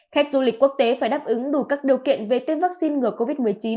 khách du lịch quốc tế phải đáp ứng đủ các điều kiện về tiêm vaccine ngừa covid một mươi chín